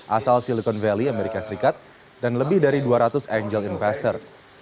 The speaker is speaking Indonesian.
asal silicon valley amerika serikat dan lebih dari dua ratus angel investor